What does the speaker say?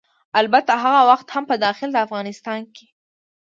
البته هغه وخت هم په داخل د افغانستان کې